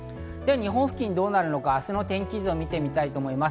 日本付近どうなるのか、明日の天気図を見ます。